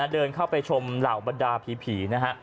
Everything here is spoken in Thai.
เดินเข้าไปชมเหล่าบรรดาผีนะฮะ